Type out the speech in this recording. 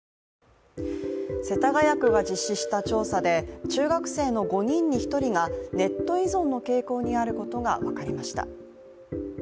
世田谷区が実施した調査で中学生の５人に１人がネット依存の傾向にあることが分かりました。